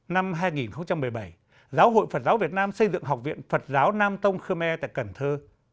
năm hai nghìn một mươi bảy giáo hội phật giáo việt nam xây dựng học viện phật giáo nam tông khmer tại cần thơ